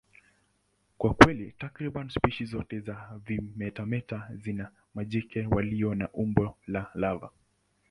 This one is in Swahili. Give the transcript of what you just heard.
Kwa kweli, takriban spishi zote za vimetameta zina majike walio na umbo la lava.